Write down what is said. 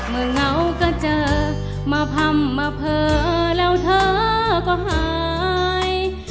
เหงาก็เจอมาพ่ำมาเผลอแล้วเธอก็หาย